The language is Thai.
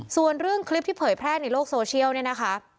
ส่วนเรื่องคลิปที่เผยแพร่ในโลกโซเชียลเนี่ยนะคะ